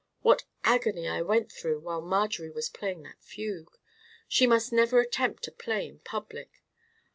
What agony I went through while Marjorie was playing that fugue! She must never attempt to play in public.